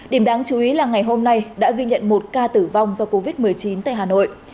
điểm đáng chú ý là ngày hôm nay đã ghi nhận một ca tử vong do covid một mươi chín tại hà nội